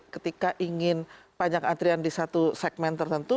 ketika ingin banyak antrian di satu segmen tertentu